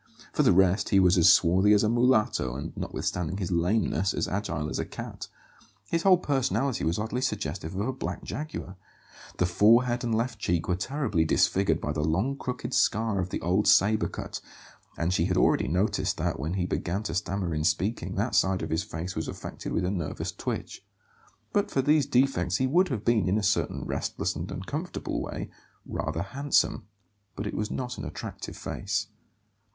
For the rest, he was as swarthy as a mulatto, and, notwithstanding his lameness, as agile as a cat. His whole personality was oddly suggestive of a black jaguar. The forehead and left cheek were terribly disfigured by the long crooked scar of the old sabre cut; and she had already noticed that, when he began to stammer in speaking, that side of his face was affected with a nervous twitch. But for these defects he would have been, in a certain restless and uncomfortable way, rather handsome; but it was not an attractive face.